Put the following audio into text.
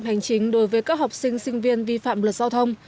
vi phạm hành chính đối với các học sinh sinh viên vi phạm luật giao thông